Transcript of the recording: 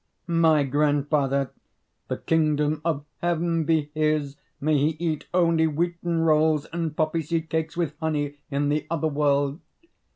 My grandfather (the kingdom of heaven be his! may he eat only wheaten rolls and poppy seed cakes with honey in the other world!)